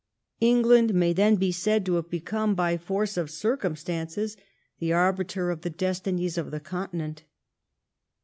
England may then be said to have become by force of circumstances tbe arbiter of the destinies of the conti* nent.